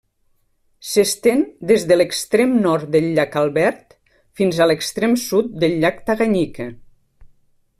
S'estén des de l'extrem nord del llac Albert fins a l'extrem sud del llac Tanganyika.